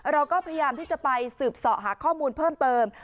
เราก็พยายามที่จะไปสืบเสาะหาข้อมูลเพิ่มเติม